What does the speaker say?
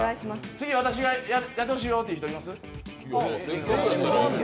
次、私がやってほしいよっていう人います？